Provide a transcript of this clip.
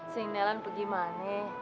seinginnya lah pergi mana